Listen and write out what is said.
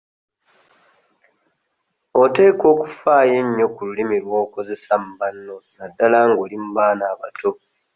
Oteekwa okufaayo ennyo ku lulimi lw'okozesa mu banno naddala nga oli mu baana abato.